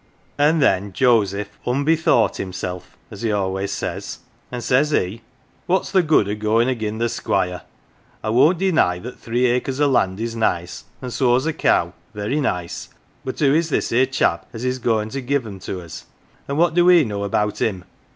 "And then Joseph 'unbethought himself,' as he always says, and says he :' What's the good o' goin' agin the Squire ? I won't deny that three acres o' land is nice, an' so's a cow very nice. But who is this here chap as is goin' to give them to us, an' what do we know about him